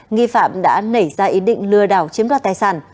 nghi phạm đã nảy ra ý định lừa đảo chiếm đoạt tài sản